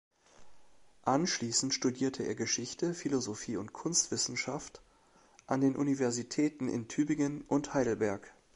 Anschließend studierte er Geschichte, Philosophie und Kunstwissenschaft an den Universitäten in Tübingen und Heidelberg.